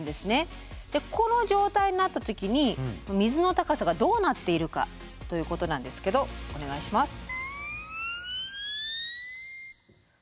この状態になった時に水の高さがどうなっているかということなんですけどお願いします。